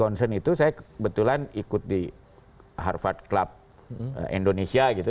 yang lebih concern itu saya kebetulan ikut di harvard club indonesia